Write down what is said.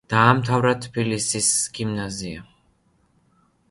დაამთავრა თბილისის გიმნაზია.